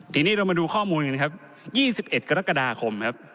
ทีนี้เรามาดูข้อมูลกันครับ๒๑กรกฎาคมครับ